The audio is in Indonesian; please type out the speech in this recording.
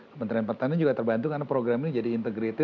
kementerian pertanian juga terbantu karena program ini jadi integrated